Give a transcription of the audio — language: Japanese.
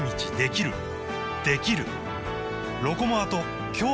できる！